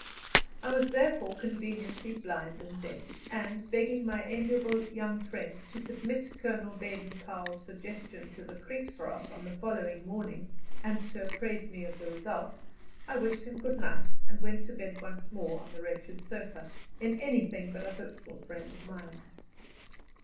I was therefore conveniently blind and deaf, and, begging my amiable young friend to submit Colonel Baden Powell's suggestion to the Kriegsraad on the following morning, and to apprise me of the result, I wished him good night, and went to bed once more on the wretched sofa, in anything but a hopeful frame of mind.